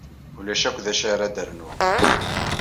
Ulac akk d acu ara d-rnuɣ.